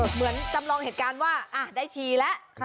เหมือนจำลองเหตุการณ์ว่าได้ทีแล้ว